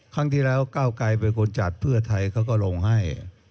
ครั้งที่แล้วก้าวไกรเป็นคนจัดเพื่อไทยเขาก็ลงให้